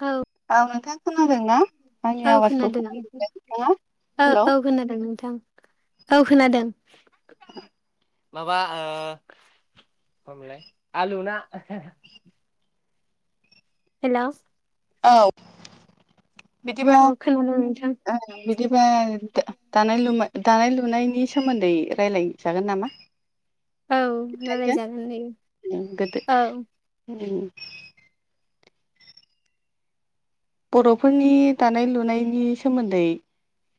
औ औ नोंथाङा खोनादोंना आंनि औ आवाजखौ खोनादों खोनादोंना नोंथाङा औ हेलौ औ खोनादों नोंथां औ खोनादों [inaudible] माबा हलाय आलु ना हेल औ बिदिबा औ खोनादों नोंथां बिदिबा दानाय ल दानाय लुनायनि सोमोन्दै रायज्लायजागोन नामा [inaudible] औ रायलायजागोन दे औ बर'फोरनि दानाय लुनायनि सोमोन्दै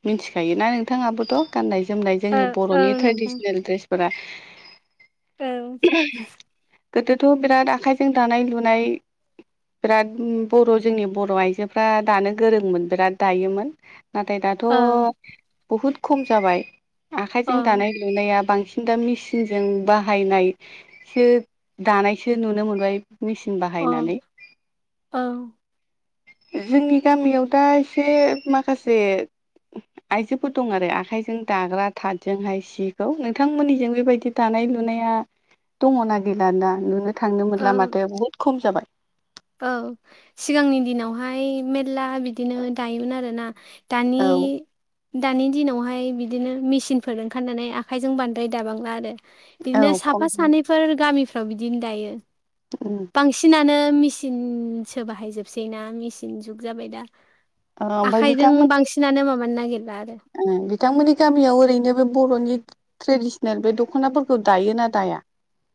मिथिखायोोना नोंथाङाबोथ' गाननाय जोमनाय ओ जोंनि औ बर'नि नोंथां ट्रेडिसनेल ड्रेसफोरा औ [inaudible] गोदोथ' बिराद आखाइजों दानाय लुनाय बिराद बर' जोंनि बर' आइजो आायजोफ्रा दानो गोरोंमोन बिराद दायोमोन नाथाय दाथ' औ बहुद खम जाबाय औ आखाइजों दानाय लुनाया बांसिन दा मेसििनजों बाहायनायसो दानायसो नुनो मोनबाय मेसििन औ बाहायनानै औ जोंनि गामियाव दा एसे माखासे आयजोफोर दं आरो आखाइजों दाग्रा थादजोंहाय सि नोंथांमोननिजों बेबायदि दानाय लुनाया दङना गैला दा नुनो थांनो मोनला औ माथो बहुद खम जाबाय औ सिगांनि दिनावहाय मेरला बिदिनो दायोमोन आरोना दानि औ दानि दिनावहाय बिदिनो मेसिनफोर ओंखारनानै आखाइजों बांद्राय दाबांला आरो बिदिनो औ खम साफा सानैफोर गामिफ्राव बिदिनो दायो उम बांसिनानो मिसि मेचनसो बाहायजोबसै ना मेचिन जुग जाबाय दा ओ ओमफ्राय आखाइजों बिथांमोन बांसिनानो मामानो नागिर बिथांमोननि गामियाव ओरैनो बे बर'नि ट्रेडिसनेल बे दख'नाफोरखौ दायोना दाया?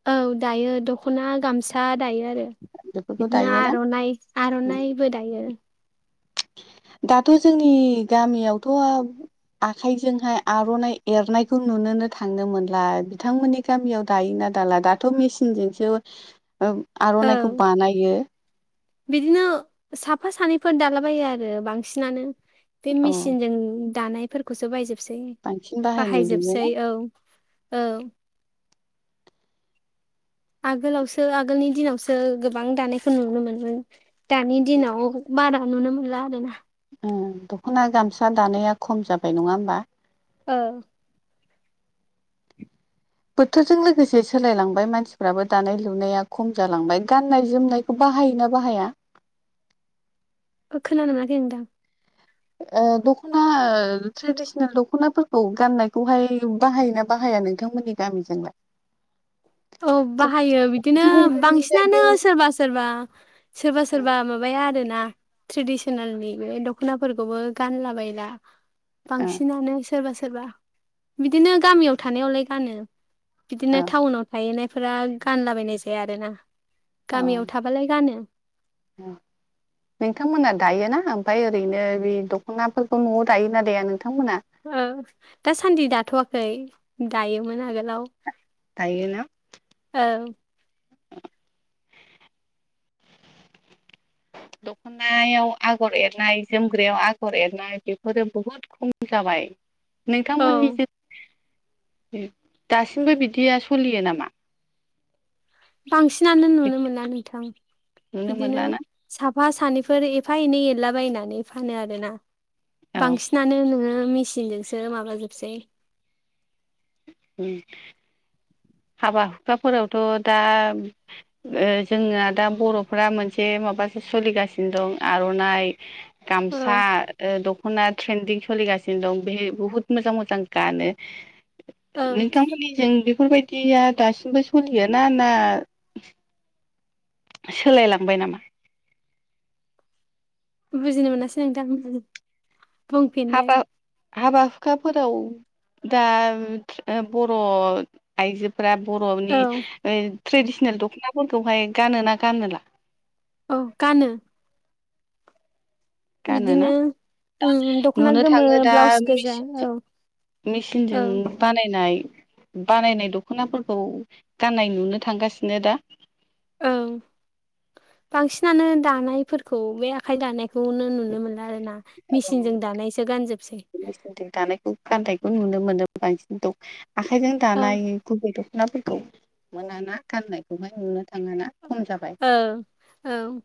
औ दायो दख'ना गामसा दायो आरो बेफोरखौ बिदिनो दायोना आर'नाइ आर'नाइबो दायो दाथ' जोंनि गामियावथ' आखाइजोंहाय आर'नाइ एरनायखौ नुनोनो थांनो मोनलाय बिथांमोननि गामियाव दायो नाल आदाला दाथ' मेचनजोंसो औ आर'नाइखौ बानायो बिदिनो साफा सानैफोर दालाबायो आरो बांसिनानो बे औ मेसिनजों दानायफोरखौसो बायजोब बांसिन बाहायनाय बाहायजोबसै नुयोना औ औ आगोलावसो आगोलनि दिनावसो गोबां दानायखौ नुनो मोनोन दानि दिनाव बारा ननो मोनला ला आरोना दख'ना गामसा दानाया खम जाबाय नङा होमबा। औ। बोथोरजों लोगोसे सोलायलांबाय मानसिफ्राबो दानाय लुनाया खम जालांबाय गाननाय जोमनायखौ ब बाहायोना बाहाया। खोनानो मोनाखै नोंदां। ओ दख'ना ओ ट्रेडिसनेल दख'नाफोरखौ गाननायखौहाय बाहायोना बाहाय जाया नोंथांमोननि गामिजोंलाय। औ बाहायो बिदिनो गुबुन गुबुन बांसिनानो जायगायाव सोरबा सोरबा सोरबा सोरबा माबाया आरो ना त्रेदिसेनेलनि बे दख'नाफोरखौबो गानला बला ओ औ बांसिनानो सोरबा सोरबा बिदिनो गामियाव थानायावलाय गानो बिदिनो औ टाउनाव गायनायफोरा गानलाबायनाय जाया आरोना गामियाव थाबालाय गानो। ओम। नोंथांमोना दायोना ओमफफ्राय ओरैनो बे दख'नाफोरखौ न'आव दायोना दाया नोंथांमोना। ओ दासान्दि दाथ'वाखै दायोमोन आगोलाव। दायोना औ। दखा नायाव आगर एरनाय जोमग्रायाव आगर एरनाय बेफोरो बुहुद खम जाबाय। औ नोंथांमोननि जे दासिमबो बिदिया सलियो नामा? बांसिनानो नुनो मोना नोंथां नुनो बिदिनो मोनलाना साफ फा सानैफोर एफा एनै एरलाबायनानै फानो आरोना औ बांसिनानो नुनो मेसिनजोंसो माबाजोबसै उम। हाबा हुखाफोरावथ' दा ओ जोंना दा बर'फ्रा मोनसे मा माबासो सोलिगासिनो दं आर'नाइ औ गामसा ओ दख'ना ट्रेन्दिं सोलिगासिनो दं बे बुहुत मोजां मोजां गानो। औ नोंथांमोननि जों बेफोरबायदि दिया दासिमबो सलियाना ना सोलायलांबाय नामा? बुजिनो मोनासै नोंथां हाबा बुंफिनलाय। हाबा हुखाफोराव दा बर' आइजो फ्रा बर'नि औ ओ ट्रेडिसिनेल दख'नाफोरखौहाय गानोना गानोला? औ गानो। गानोना बिदिनो दा उम दख'ना नुनो गोमो थाङो दा ब्लाउस गोजा औ मेसेन औ मेसिनजों बानायनाय बानायनाय दख'नाफोरखौ गाननाय नुनो थांगासिनो दा। ओ। बांसिनानो दानायफोरखौ बे आखाइ दानायखौनो नुनो मोनला आरो ना। औ मिचिनजों दानायसो गानजोबसै। मेचिनजों दानायखौ गाननायखौ नुनो मोनो बांसिन दख आखाइजों औ दानाय गुबै दख'नाफोर खौ मोनाना गाननायखौहाय नुनो थाङाना। खम जाबाय ओ औ।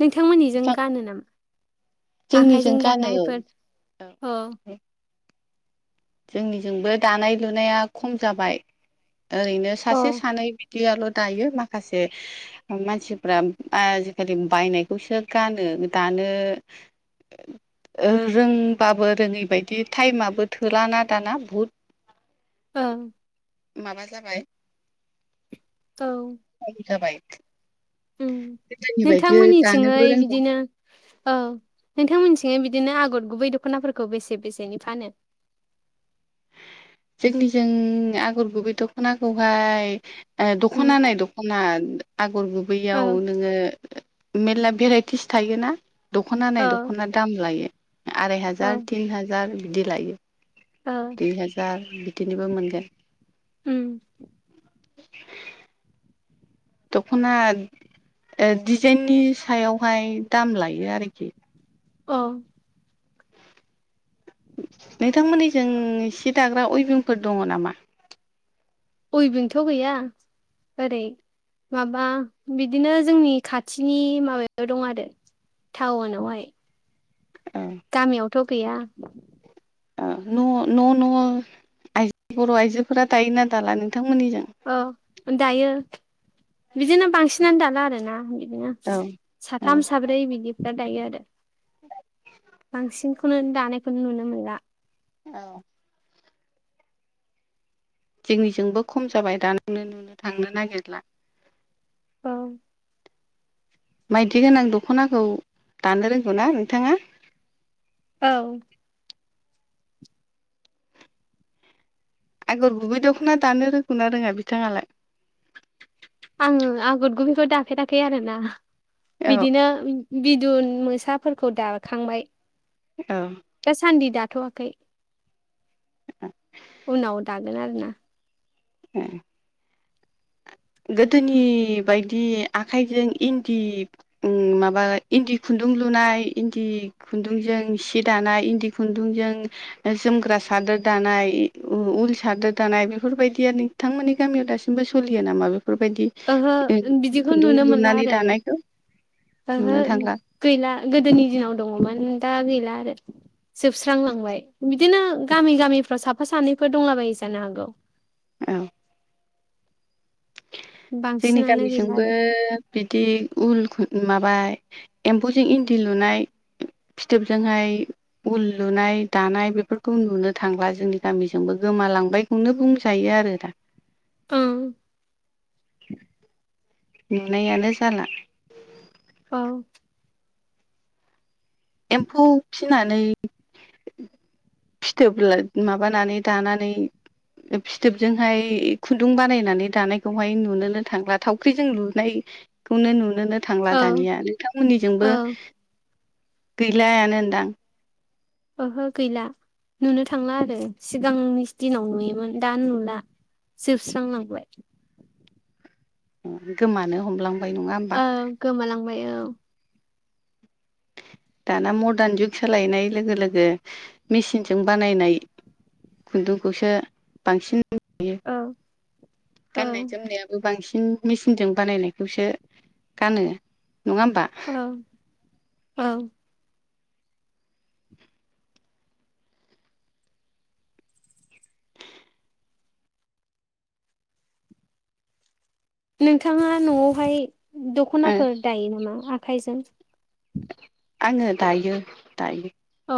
नोंथांमोननिजों गानो नामा? जोंनिजों आखाइजों गानो औ दानायफोर औ। जोंनिजोंबो दानाय लुनाया खम जाबाय ओरैनो औ सासे सानै बिदियाल' दायो माखासे मानसिफ्रा आजिखालि बायनायखौसो गानो। दानो ओ रोंबाबो रोङै बदि टाइमाबो थो थोलाना दाना भुत ओं। माबा जाबाय औ थाइम जाबाय। उम गोदोनि बायदि दानोबो नोंथांमोननिथिंयै रोंला बिदिनो औ नोंथांमोननि बे बिदिनो आगर गुबै दख'नाफोरखौ बेसे बेसेनि फानो? जोंनिजों आगर गुबै दख'नाखौहाय उम दख'नायनाय दख'ना ना आगर गुबैयाव ओं नोङो मेरला भेराइटिस थायोना। दख'नानाय औ दख'ना दाम लायो आराय औ हाजार तिन हाजार बिदि लायो। ओ दुइ हाजार बिदिनोबो मोनगोन। उम दखना ओ डिजाइननि सायावहाय दाम लायो आरोखि। औ नोंथांमोननिजों सि दाग्रा अयभिंफोर दङ नामा? उइभिंथ' गैया। ओरै माबा बिदिनो जोंनि खाथिनि माबायाव दं आरो। टाउनावहाय। औ गामियावथ' गैया। ओ न' न' न' आइजो बर' आइजोफोरा दायोना दाला नोंथांमोननि जों? औ दायो बिदिनो बांसिनानो दाला आरोना बिदिनो औ साथाम साब्रै बिदिफ्रा दायो आरो। [inaudible] बांसिनखौनो दानायखौनो नुनो मोनला। औ जोंनिजोंबो खम जाबाय दानो नुनो थांनो नागिरला। औ माइदि गोनां दख'नाखौ दानो रोंगौ ना नोंथाङा? औ आगर गुबै दख'ना दानो रोंगौना रोङा बिथाङालाय? आङो आगर गुबैखौ दाफेराखै आरोना औ बिदिनो बिदुन मोसाफोरखौ दाखांबाय औ दासान्दि दा दाथ'वाखै उनाव दागोन आरोना। [inaudible] गोदोनि बायदि आखाइजों इन्दि माबा इन्दि खु खुन्दुं लुनाय इन्दि खुन्दुंजों सि दानाय इन्दि खुन्दुंजों जोमग्रा स उल सादोर दानाय बेफोरबायदि आरो नोंथांमोननि गामियाव दासिमबो सलियो नामा? बेफोरबायदि ओहो बिदिखौ खुन्दुं नुनो मोनला लुनानै आरो। दानायखौ ओहो नुनो थांला गैला गोदोनि दिनाव दङमोन दा गैला आरो। जोबस्रांलांबाय बिदिनो गामि गामिफ्राव साफा सानैफोर दंलाबायो जानो हागौ औ जोंनि बांसिनानो गैला गामिजोंबो आरो बिदि उल माबा एम्फौजों इन्दि लुनाय फिथोबजोंहाय उल लुनाय दानाय बेफोरखौ नुनो थांब्ला जोंनि गामिजोंबो। गोमालांबायखौनो बुंजायो आरो दा। ओं। नुनायानो जाला। औ। एम्फौ फिनानै फिथोब माबानानै दानानै फिथोबजोंहाय खुन्दुं बानायनानै दानायखौहाय नुनोनो थांला थावख्रिजों लुनाय। खौनो‌ नुनोनो थांला औ दानिया औ नोंथांमोननिजोंबो गैलायानो होनदां। ओहो गैला। नुनो थांला आरो सिगांनि दिनाव नुयोमोन दा नुला जोबस्रां लांबाय गोमानो हमलां औ गोमालांबाय औ [inaudible] दाना मदार्न जुग सोलायनाय लोगो लोगो मेसिनजों बानायनाय खुन्दुंखौसो बांसिन [unintelligible] औ गाननाय औ जोमनायाबो बांसिन बि मेचिनजों बानायनायखौसो गानो नङा होमबा? औ औ [inaudible] नोंथाङा न'आवहाय ओ दख'नाफोर दायो नामा आखाइजों? आङो दायो दायो। अ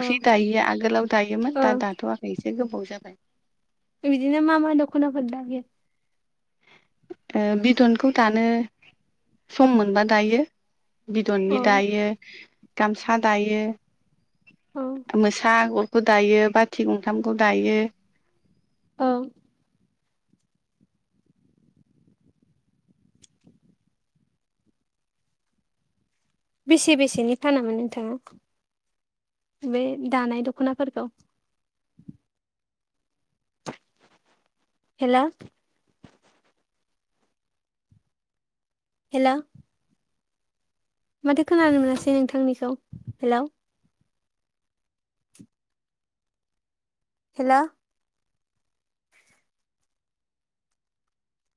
अ दायैया आगोलाव दायोमोन ओ दा दाथ'वाखै एसे गोबाव जाबाय बिदिनो मा मा दखनाफोर दायो? बिद'नखौ दानो सम मोनबा दायो। अ बिदननि दायो गामसा दायो अ मोसा आगर दायो बाथि गंथामखौ दायो औ बेसे बेसेनि फानामोन नोंथाङा? बे दानाय दख'नाफोरखौ हेलौ हेल' माथो खोनानो मोनासै नोंथांनिखौ हेलौ हेल'